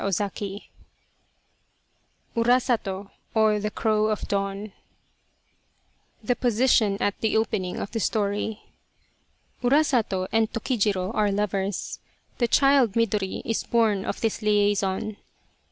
133 Urasato, or the Crow of Dawn THE POSITION AT THE OPENING OF THE STORY Urasato and Tokijiro are lovers. The child, Midori, is born of this liaison.